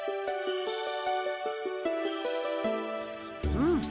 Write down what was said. うん。